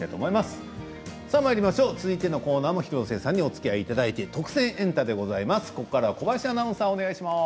続いてのコーナーも広末さんにおつきあいいただいて「特選！エンタ」です。